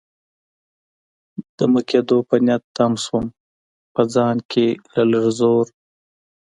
دمه کېدو په نیت تم شوم، په ځان کې له لږ زور.